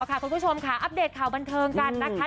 คุณผู้ชมค่ะอัปเดตข่าวบันเทิงกันนะคะ